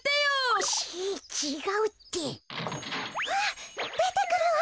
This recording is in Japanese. あっでてくるわ。